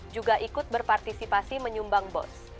juga ikut berpartisipasi menyumbang bos